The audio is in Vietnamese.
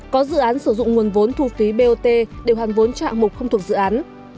có dự án sử dụng nguồn vốn thu phí bot đều hoàn vốn cho hạng mục không thuộc dự án